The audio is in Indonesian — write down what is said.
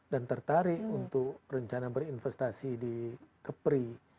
tertarik untuk rencana berinvestasi di kepri